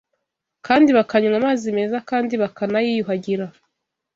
kandi bakanywa amazi meza kandi bakanayiyuhagira